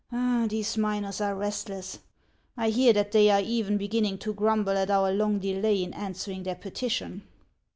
" These miners are restless. I hear that they are even beginning to grumble at our long delay in answering their petition.